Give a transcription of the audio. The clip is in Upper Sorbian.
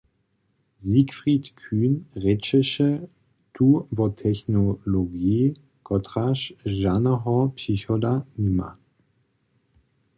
Siegfried Kühn rěčeše tu wo technologiji, kotraž žanoho přichoda nima.